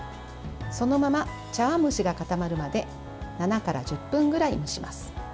そのまま茶わん蒸しが固まるまで７から１０分ぐらい蒸します。